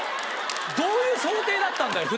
どういう想定だったんだよ